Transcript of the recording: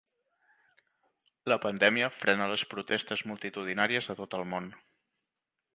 La pandèmia frena les protestes multitudinàries a tot el món.